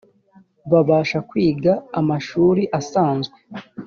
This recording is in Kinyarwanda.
babasha kwiga amashuri azanzwe